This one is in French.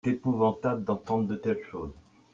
il est épouvantable d'entendre de telles choses.